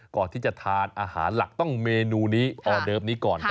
ก่อนที่จะทานอาหารหลักต้องเมนูนี้ออเดิฟนี้ก่อน